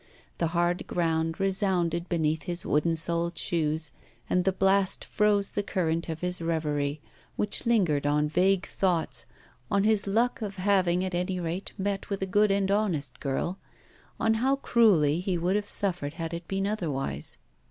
The hard ground resounded beneath his wooden soled shoes, and the blast froze the current of his reverie, which lingered on vague thoughts, on his luck of having, at any rate, met with a good and honest girl, on how cruelly he would have suffered had it been otherwise.